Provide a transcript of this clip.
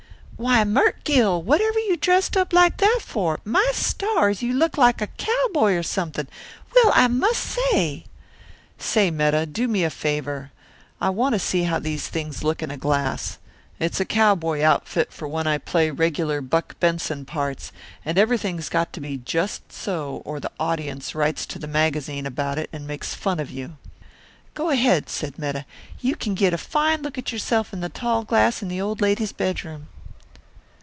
"Why, Mert' Gill, whatever you dressed up like that for? My stars, you look like a cowboy or something! Well, I must say!" "Say, Metta, do me a favour. I want to see how these things look in a glass. It's a cowboy outfit for when I play regular Buck Benson parts, and everything's got to be just so or the audience writes to the magazines about it and makes fun of you." "Go ahead," said Metta. "You can git a fine look at yourself in the tall glass in the old lady's bedroom."